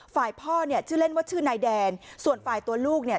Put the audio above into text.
ฝ่ายพ่อเนี่ยชื่อเล่นว่าชื่อนายแดนส่วนฝ่ายตัวลูกเนี่ย